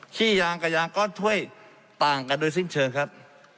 ขี้ยางกับยางก้อนถ้วยต่างกันโดยสิ้นเชิงครับ